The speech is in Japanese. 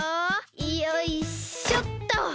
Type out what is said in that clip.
よいしょっと。